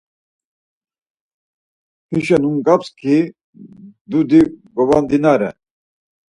Hişo numgus-çi dudi govondinare.